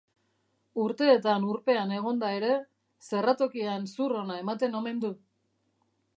Urteetan urpean egonda ere, zerratokian zur ona ematen omen du.